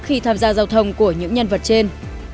khi tham gia giao thông của những nhân vật trên